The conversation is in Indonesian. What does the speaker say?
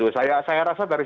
saya rasa dari situ ada sebuah